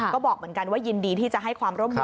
ก็บอกเหมือนกันว่ายินดีที่จะให้ความร่วมมือ